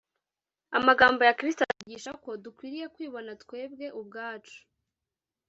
Amagambo ya Kristo atwigisha ko dukwiriye kwibona twebwe ubwacu